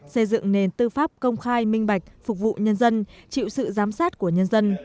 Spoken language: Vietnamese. xây dựng nền tư pháp công khai minh bạch phục vụ nhân dân chịu sự giám sát của nhân dân